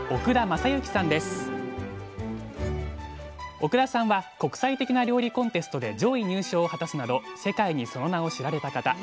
奥田さんは国際的な料理コンテストで上位入賞を果たすなど世界にその名を知られた方。